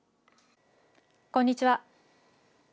こんにちは。